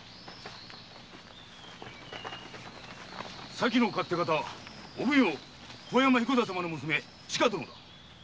前の勝手方お奉行桑山彦三様の娘・千加殿だ。